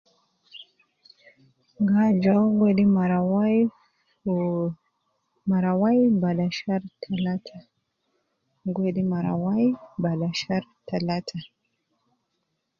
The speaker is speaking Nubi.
Gajo wedi mara wai Wu mara wai bada shar talata, gi wedi mara wai bada Shar talata